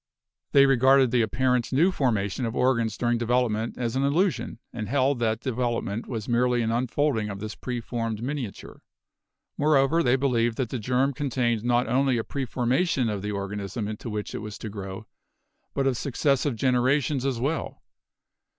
They regarded the apparent new forma HEREDITY 247 tion of organs during development as an illusion, and held that development was merely an unfolding of this preformed miniature. Moreover, they believed that the germ contained not only a preformation of the organism into which it was to grow, but of successive generations as well.